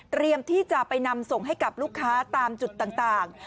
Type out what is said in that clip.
ที่จะไปนำส่งให้กับลูกค้าตามจุดต่าง